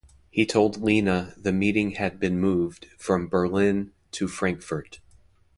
He told Lina the meeting had been moved from Berlin to Frankfurt.